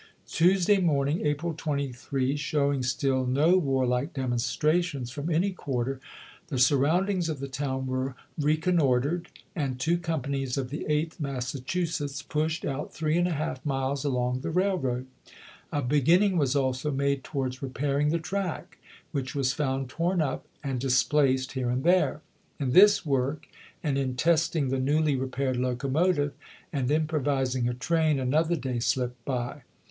Tuesday morning (April 23) showing still no warlike demonstrations from any quarter, the surroundings of the town were reconuoitered, and two companies of the Eighth Massachusetts pushed out three and a half miles along the railroad. A beginning was also made towards repairing the track, which was found torn up and displaced here and there. In this work, and in testing the newly repaired locomotive and improvising a train, an other day slipped by.